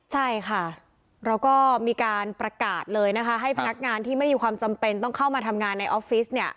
ใช่ค่ะเราก็มีการประกาศเลยนะคะให้พนักงานที่ไม่มีความจำเป็นต้องเข้ามาทำงานในออฟฟิศเนี่ย